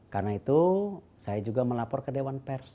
karena itu saya juga melapor ke dewan pers